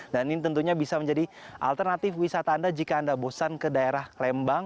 dan ini tentunya bisa menjadi alternatif wisata anda jika anda bosan ke daerah lembang